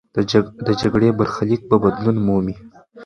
د جګړې برخلیک به بدلون مومي.